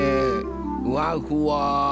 ふわふわ。